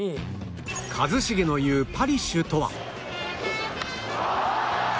一茂の言うパリッシュとは